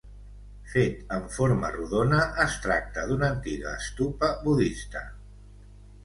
Fet en forma rodona, es tracta d'una antiga Stupa budista.